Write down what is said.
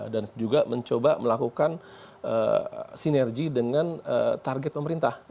dan juga mencoba melakukan sinergi dengan target pemerintah